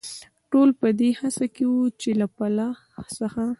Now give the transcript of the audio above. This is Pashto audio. ټول په دې هڅه کې و، چې له پله څخه.